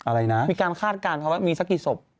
อะไรนะมีการคาดการณ์เขาว่ามีสักกี่ศพ